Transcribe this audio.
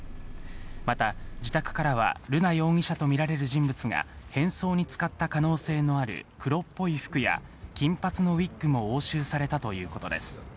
また自宅からは、瑠奈容疑者と見られる人物が変装に使った可能性のある黒っぽい服や、金髪のウイッグも押収されたということです。